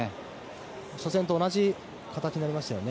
初戦と同じ形になりましたね。